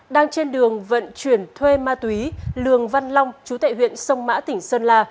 đang trên đường vận chuyển thuê ma túy lường văn long chú tệ huyện sông mã tỉnh sơn la